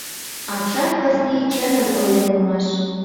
— Апшат Васлий чыным ойлен улмаш.